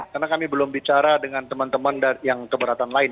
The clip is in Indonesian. karena kami belum bicara dengan teman teman yang keberatan lain